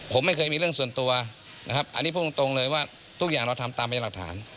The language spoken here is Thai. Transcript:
ผมไม่เคยมีเรื่องส่วนตัวนะครับอันนี้พูดตรงเลยว่าทุกอย่างเราทำตามพยายามหลักฐาน